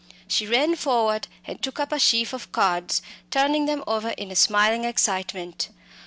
She ran forward and took up a sheaf of cards, turning them over in a smiling excitement.